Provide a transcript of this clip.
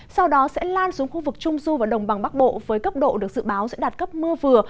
sau đó sẽ lan xuống khu vực trung du và đồng bằng bắc bộ với cấp độ được dự báo sẽ đạt cấp mưa vừa